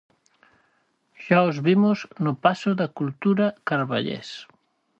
Xa os vimos no Pazo da Cultura carballés.